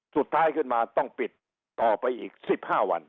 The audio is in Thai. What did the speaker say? สุดท้ายขึ้นมาต้องปิดต่อไปอีก๑๕วัน